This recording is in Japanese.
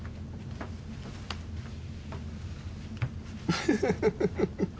ウフフフフフ。